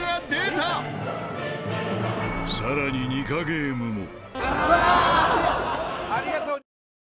さらにニカゲームも